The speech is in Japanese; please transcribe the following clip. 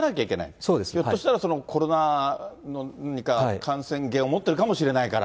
ひょっとしたらコロナの何か、感染源を持ってるかもしれないから。